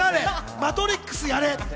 マトリックスやれ！